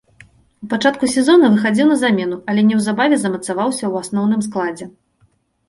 У пачатку сезона выхадзіў на замену, але неўзабаве замацаваўся ў асноўным складзе.